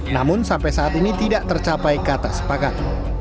namun sampai saat ini tidak tercapai kata sepakat